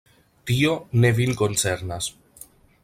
Tio ne vin koncernas.